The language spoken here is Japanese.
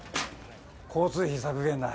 交通費削減だ。